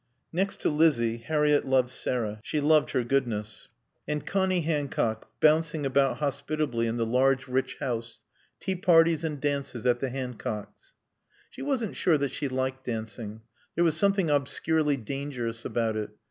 Next to Lizzie, Harriett loved Sarah. She loved her goodness. And Connie Hancock, bouncing about hospitably in the large, rich house. Tea parties and dances at the Hancocks'. She wasn't sure that she liked dancing. There was something obscurely dangerous about it.